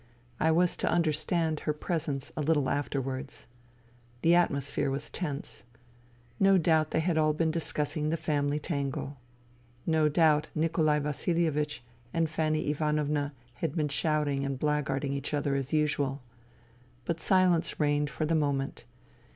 I was to understand her presence a little afterwards. The atmosphere was tense. No doubt they had all been discussing the family tangle. No doubt Nikolai Vasilievich and Fanny Ivanovna had been shouting and blackguarding each other as usual. But silence reigned for the moment.